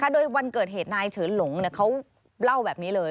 โดยวันเกิดเหตุนายเฉินหลงเขาเล่าแบบนี้เลย